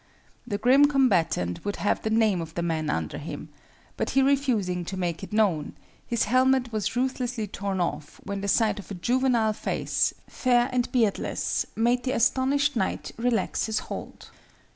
The grim combatant would have the name of the man under him; but he refusing to make it known, his helmet was ruthlessly torn off, when the sight of a juvenile face, fair and beardless, made the astonished knight relax his hold.